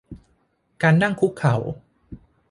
การนั่งคุกเข่า